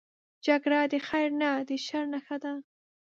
جګړه د خیر نه، د شر نښه ده